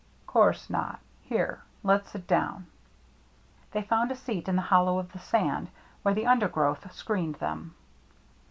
" Course not. Here, let's sit down." They found a seat in the hollow of the sand, where the undergrowth screened them.